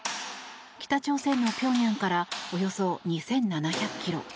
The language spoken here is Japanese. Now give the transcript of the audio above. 北朝鮮のピョンヤンからおよそ２７００ｋｍ。